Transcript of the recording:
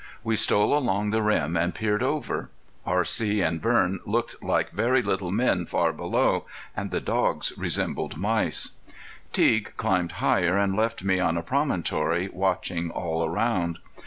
We stole along the rim and peered over. R.C. and Vern looked like very little men far below, and the dogs resembled mice. Teague climbed higher, and left me on a promontory, watching all around.